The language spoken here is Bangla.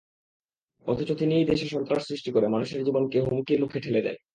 অথচ তিনিই দেশে সন্ত্রাস সৃষ্টি করে মানুষের জীবনকে হুমকির মুখে ঠেলে দেন।